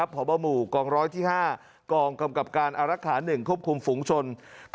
ผอบ้าหมู่กรองร้อยที่๕กรองกำกับการอลักษณ์หนึ่งควบคุมฝุงชน